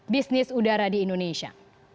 bisnis udara di indonesia